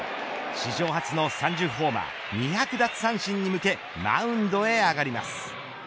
史上初の３０ホーマー２００奪三振に向けマウンドへ上がります。